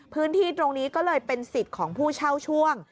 พื้นที่ตรงนี้ก็เลยเป็นสิทธิ์ของผู้เช่าช่วง